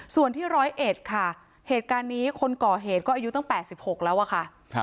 ส่วนที่๑๐๑ค่ะเหตุการณ์นี้คนก่อเหตุก็อายุตั้ง๘๖แล้วอะค่ะ